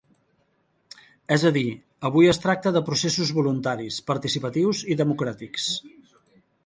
És a dir, avui es tracta de processos voluntaris, participatius i democràtics.